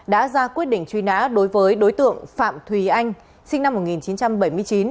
đã ra quyết định truy nã đối với đối tượng phạm thùy anh sinh năm một nghìn chín trăm bảy mươi chín